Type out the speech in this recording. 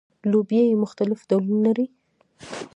لوبیې مختلف ډولونه لري